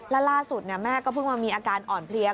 แล้วล่าสุดแม่ก็เพิ่งมามีอาการอ่อนเพลีย